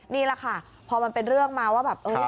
นี่แหละค่ะพอมันเป็นเรื่องมาว่าแบบเออ